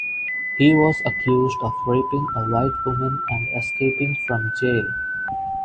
He was accused of raping a white woman and escaping from jail.